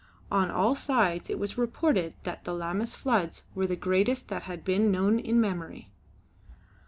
On all sides it was reported that the Lammas floods were the greatest that had been known in memory.